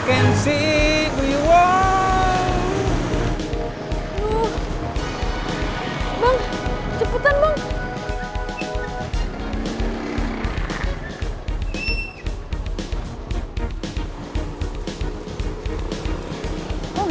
kan tadi gua udah ngomong